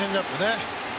このチェンジアップ。